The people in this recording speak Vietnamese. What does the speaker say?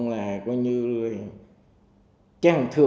là coi như